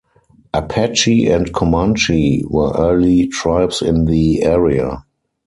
Apache and Comanche were early tribes in the area.